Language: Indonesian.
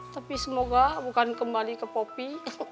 tapi semoga bukan kembali ke kopi